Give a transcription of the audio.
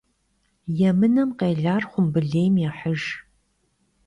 Yêmınem khêlar xhumbılêym yêhıjj.